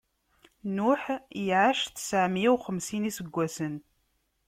Nuḥ iɛac tseɛ meyya uxemsin n iseggasen.